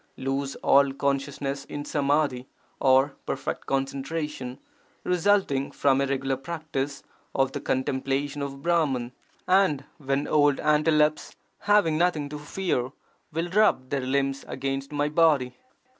lose all consciousness in samadhi or perfect concen tration) resulting from a regular practice of the contem plation of Brahman, and when old antelopes having nothing to fear, will rub their limbs against my body!